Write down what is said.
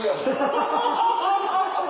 アハハハハ！